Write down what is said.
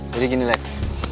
jadi gini leksss